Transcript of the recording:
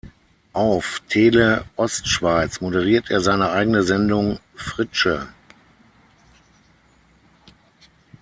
Auf Tele Ostschweiz moderiert er seine eigene Sendung "Fritsche".